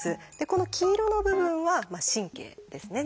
この黄色の部分は「神経」ですね。